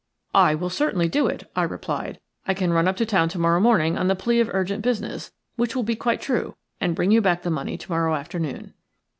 "I will certainly do it," I replied. "I can run up to town to morrow morning on the plea of urgent business, which will be quite true, and bring you back the money to morrow afternoon."